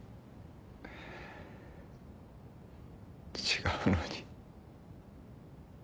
違うのに。